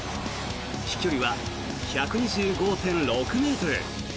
飛距離は１２５．６ｍ。